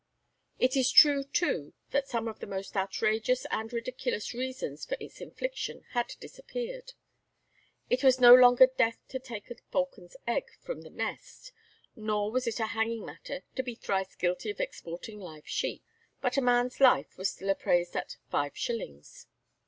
It is true too that some of the most outrageous and ridiculous reasons for its infliction had disappeared. It was no longer death to take a falcon's egg from the nest, nor was it a hanging matter to be thrice guilty of exporting live sheep. But a man's life was still appraised at five shillings.